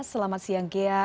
selamat siang ghea